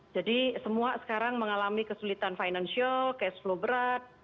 jadi semua sekarang mengalami kesulitan finansial cash flow berat